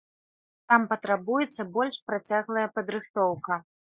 Там патрабуецца больш працяглая падрыхтоўка.